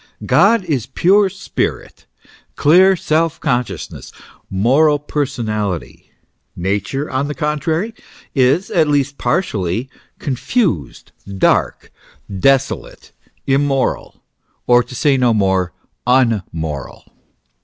God is pure spirit, clear self consciousness, moral person ality; Nature, on the contrary, is, at least partially, confused, dark, desolate, immoral, or to say no more, unmoral.